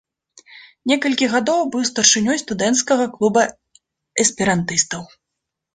Некалькі гадоў быў старшынёй студэнцкага клуба эсперантыстаў.